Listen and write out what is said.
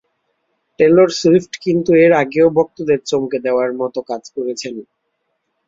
Taylor Swift কিন্তু এর আগেও ভক্তদের চমকে দেওয়ার মতো কাজ করেছেন।